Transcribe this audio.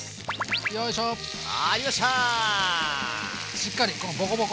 しっかりこのボコボコ。